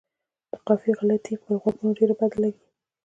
د قافیې غلطي پر غوږونو ډېره بده لګي.